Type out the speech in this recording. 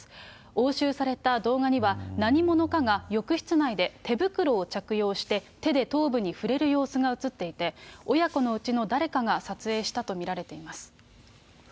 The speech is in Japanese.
押収された動画には、何者かが浴室内で手袋を着用して、手で頭部に触れる様子が映っていて、親子のうちの誰かが撮影したと見られています。